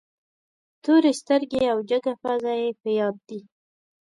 تورې سترګې او جګه پزه یې په یاد دي.